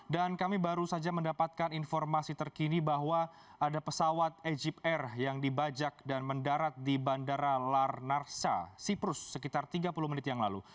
kami baru saja mendapatkan informasi terkini bahwa ada pesawat egyp air yang dibajak dan mendarat di bandara larnarsa siprus sekitar tiga puluh menit yang lalu